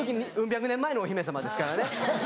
百年前のお姫様ですからね。